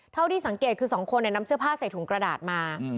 เท่าที่สังเกตคือ๒คนนำเสื้อผ้าใส่ถุงกระดาษมา